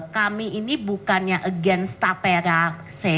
kami ini bukannya against tapera c